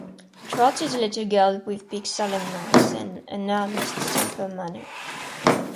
Trot is a little girl with big solemn eyes and an earnest, simple manner.